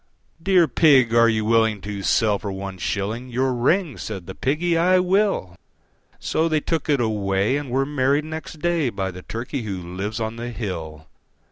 III. "Dear Pig, are you willing to sell for one shilling Your ring?" Said the Piggy, "I will." So they took it away, and were married next day By the Turkey who lives on the hill.